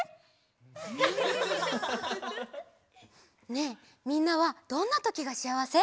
ねえみんなはどんなときがしあわせ？